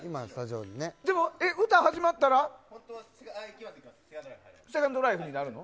でも、歌始まったらセカンドライフになるの。